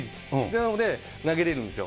なので、投げれるんですよ。